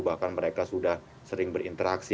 bahkan mereka sudah sering berinteraksi